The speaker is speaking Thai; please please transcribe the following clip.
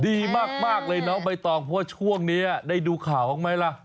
ดีมากเลยน้องใบตองเพราะว่าช่วงนี้ได้ดูข่าวบ้างไหมล่ะ